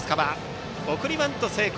送りバント成功。